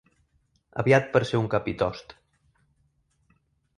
Aviat per ser un capitost.